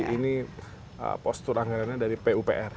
ini postur anggarannya dari pupr